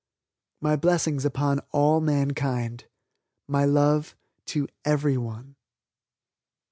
My blessings upon all mankind my love to everyone!"